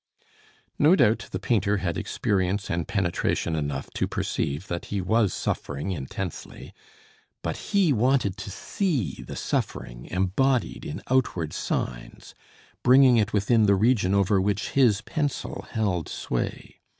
No doubt the painter had experience and penetration enough to perceive that he was suffering intensely; but he wanted to see the suffering embodied in outward signs, bringing it within the region over which his pencil held sway.